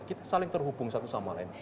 kita saling terhubung satu sama lain